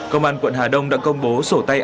công an quận hà đông đã công bố sổ tay